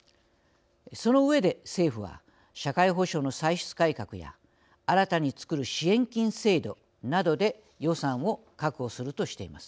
その上で政府は社会保障の歳出改革や新たに作る支援金制度などで予算を確保するとしています。